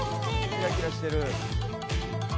キラキラしてる。